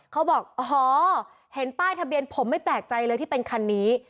เขาบอกอ๋อเห็นป้ายทะเบียนผมไม่แปลกใจเลยที่เป็นคันนี้